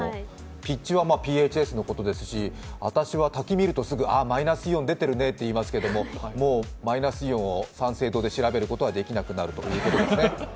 ピッチはＰＨＳのことですし、滝を見ると、あー、マイナスイオンが出ているねと言いますがもうマイナスイオンを三省堂で調べることはできなくなるということですね。